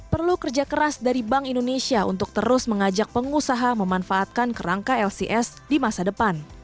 perlu kerja keras dari bank indonesia untuk terus mengajak pengusaha memanfaatkan kerangka lcs di masa depan